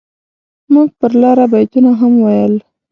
موږ پر لاره بيتونه هم ويل.